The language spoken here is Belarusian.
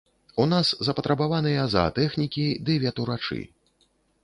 У нас запатрабаваныя заатэхнікі ды ветурачы.